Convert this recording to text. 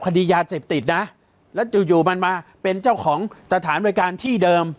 คดียา๑๐ติดนะแล้วจะอยู่มาเป็นเจ้าของตรฐานรวยการที่เดิม